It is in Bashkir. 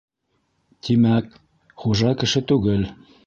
Тимәк, хужа кеше түгел.